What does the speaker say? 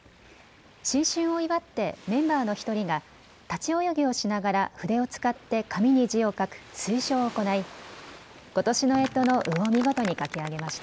新春を祝ってメンバーの１人が立ち泳ぎをしながら筆を使って紙に字を書く水書を行いことしのえとのうを見事に書き上げました。